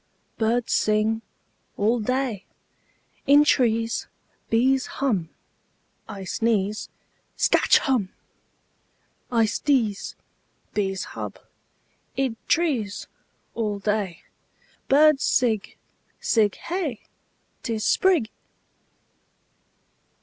Birds sing All day. In trees Bees hum I sneeze Skatch Humb!! I sdeeze. Bees hub. Id trees All day Birds sig. Sig Hey! 'Tis Sprig!